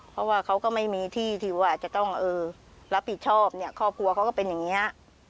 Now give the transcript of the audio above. เพราะว่าเขาก็ไม่มีที่ที่ว่าจะต้องเออรับผิดชอบเนี่ยครอบครัวเขาก็เป็นอย่างนี้